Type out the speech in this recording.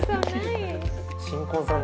新婚さんだ。